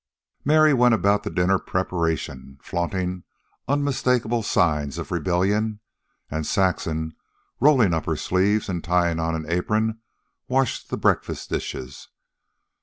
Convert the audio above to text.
Mary went about the dinner preparation, flaunting unmistakable signals of rebellion; and Saxon, rolling up her sleeves and tying on an apron, washed the breakfast dishes.